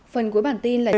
phần cuối bản tin là